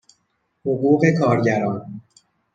حقوق کارگران